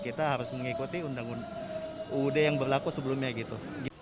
kita harus mengikuti undang undang yang berlaku sebelumnya gitu